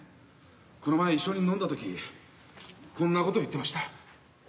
この前一緒に飲んだときこんなこと言ってました。